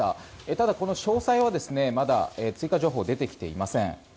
ただ、この詳細はまだ追加情報は出てきていません。